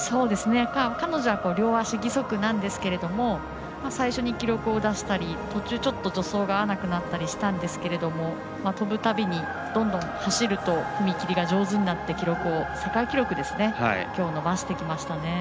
彼女は両足義足なんですが最初に記録を出したり途中、助走が合わなくなったりしたんですけど跳ぶたびにどんどん走ると踏み切りが上手になって世界記録をきょう伸ばしてきましたね。